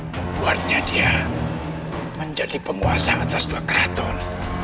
membuatnya dia menjadi penguasa atas dua keraton